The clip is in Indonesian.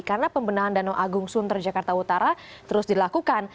karena pembinaan danau agung sunter jakarta utara terus dilakukan